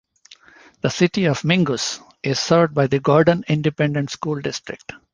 The City of Mingus is served by the Gordon Independent School District.